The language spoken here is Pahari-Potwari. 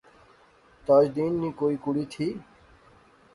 تاج دین نی کوئی کڑی تھی؟